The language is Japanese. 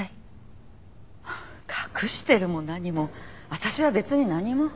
隠してるも何も私は別に何も。